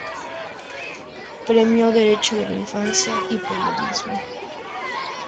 Premio Derecho de la Infancia y Periodismo.